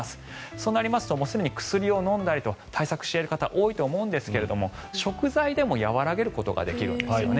そうなりますとすでに薬を飲んだりと対策している方多いと思うんですが食材でも和らげることができるんですね。